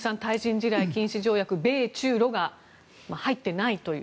地雷禁止条約米中ロが入っていないという。